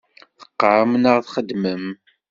Teqqaṛem neɣ txeddmem?